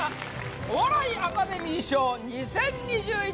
お笑いアカデミー賞２０２１